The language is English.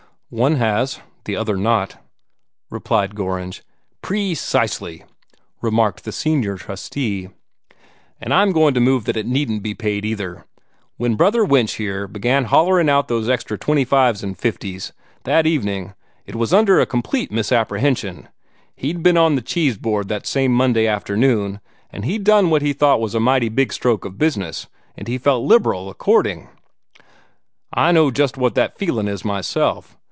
"One has the other not," replied Gorringe. "PRE cisely," remarked the senior trustee. "And I'm goin' to move that it needn't be paid, either. When Brother Winch, here, began hollerin' out those extra twenty fives and fifties, that evening, it was under a complete misapprehension. He'd be'n on the Cheese Board that same Monday afternoon, and he'd done what he thought was a mighty big stroke of business, and he felt liberal according. I know just what that feelin' is myself.